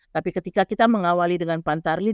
tapi ketika kita mengawali dengan pantarli